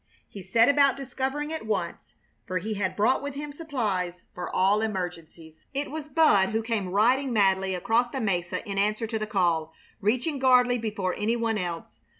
He set about discovering at once, for he had brought with him supplies for all emergencies. It was Bud who came riding madly across the mesa in answer to the call, reaching Gardley before any one else.